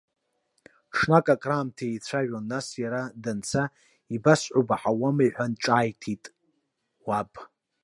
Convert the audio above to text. Ҽнак акраамҭа еицәажәон, нас иара данца, ибасҳәо баҳауама иҳәан, ҿааиҭит уаб.